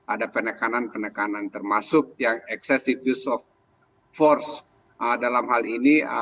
ada penekanan penekanan termasuk yang excessive use of force dalam hal ini